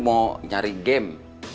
mau nyari game